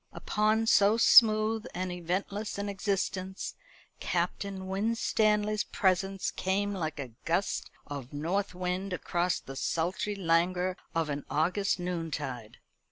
Upon so smooth and eventless an existence Captain Winstanley's presence came like a gust of north wind across the sultry languor of an August noontide.